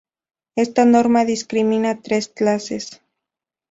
Esta norma discrimina tres clases.